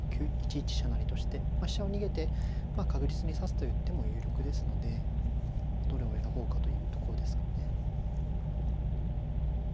成として飛車を逃げて確実に指すという手も有力ですのでどれを選ぼうかというところですかね。